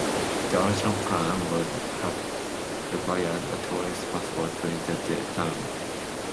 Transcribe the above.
The original plan would have required a "tourist passport" to enter the town.